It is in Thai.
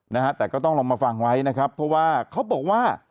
นะฮะแต่ก็ต้องลองมาฟังไว้นะครับเพราะว่าเขาบอกว่า